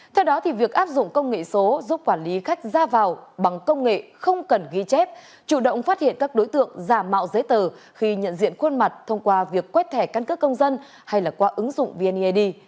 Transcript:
theo đó việc áp dụng công nghệ số giúp quản lý khách ra vào bằng công nghệ không cần ghi chép chủ động phát hiện các đối tượng giả mạo giấy tờ khi nhận diện khuôn mặt thông qua việc quét thẻ căn cước công dân hay là qua ứng dụng vned